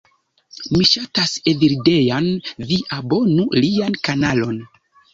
Mi ŝatas Evildean. Vi abonu lian kanalon.